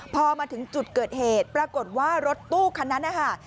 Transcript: พอมาถึงจุดเกิดเหตุปรากฏว่ารถตู้คันนั้นนะคะ